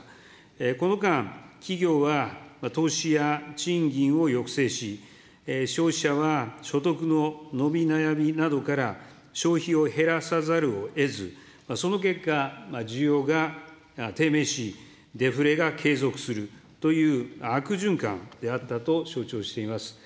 この間、企業は投資や賃金を抑制し、消費者は所得の伸び悩みなどから、消費を減らさざるをえず、その結果、需要が低迷し、デフレが継続するという悪循環であったと承知をしております。